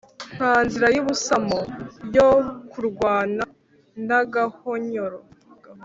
nta nzira y' ubusamo yo k' urwana n'agahonyoro!